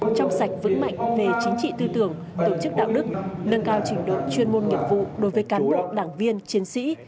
trong sạch vững mạnh về chính trị tư tưởng tổ chức đạo đức nâng cao trình độ chuyên môn nghiệp vụ đối với cán bộ đảng viên chiến sĩ